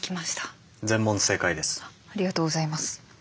ありがとうございます。